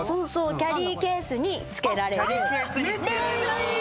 キャリーケースにつけられるめっちゃいい！